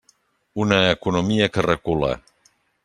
Una economia que recula.